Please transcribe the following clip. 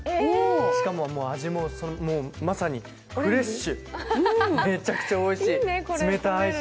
しかも味もまさにフレッシュ、めちゃくちゃおいしい、冷たいし。